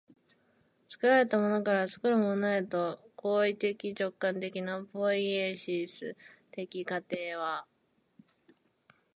作られたものから作るものへとの行為的直観的なポイエシス的過程は